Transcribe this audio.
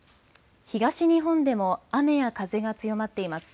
東日本でも雨や風が強まっています。